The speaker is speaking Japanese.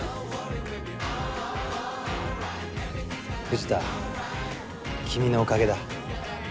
藤田君のおかげだ。